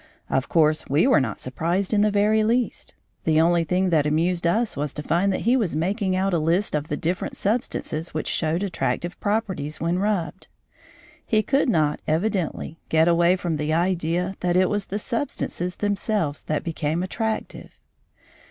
Of course, we were not surprised in the very least. The only thing that amused us was to find that he was making out a list of the different substances which showed attractive properties when rubbed. He could not, evidently, get away from the idea that it was the substances themselves that became attractive.